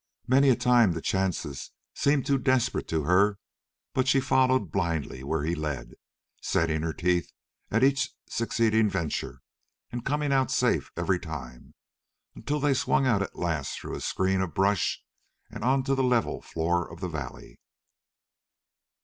Many a time the chances seemed too desperate to her, but she followed blindly where he led, setting her teeth at each succeeding venture, and coming out safe every time, until they swung out at last through a screen of brush and onto the level floor of the valley.